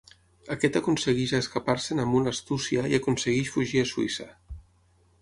Aquest aconsegueix escapar-se'n amb una astúcia i aconsegueix fugir a Suïssa.